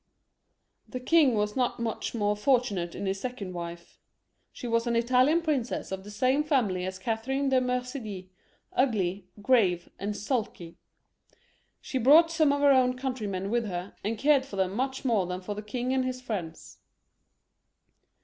The king was not much more fortunate in his second wife. She was an Italian princess of the same family as Cathe rine de Medicis, ugly, grave, and sulky. She brought some of her own countrymen with her, and cared for them much more than for the king and his friends.